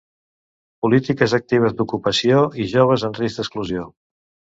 Polítiques actives d'ocupació i joves en risc d'exclusió.